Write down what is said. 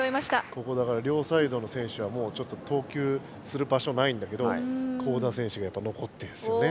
ここだから両サイドの選手はもうちょっと投球する場所ないんだけど江田選手がやっぱりのこってるんですよね